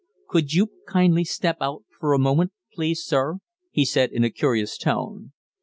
"Could you kindly step out for a moment, please, sir?" he said in a curious tone.